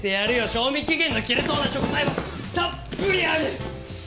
賞味期限の切れそうな食材はたっぷりある！